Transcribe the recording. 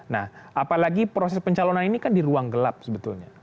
nah apalagi proses pencalonan ini kan di ruang gelap sebetulnya